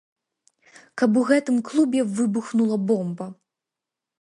Каб у гэтым клубе выбухнула бомба!